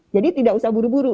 tidak usah buru buru